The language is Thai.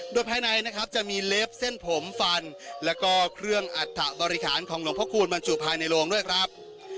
โดยภายในนะครับจะมีเล็บเส้นผมฟันแล้วก็เครื่องอัฐบริหารของหลวงพระคูณบรรจุภายในโรงด้วยครับ